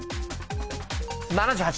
７８。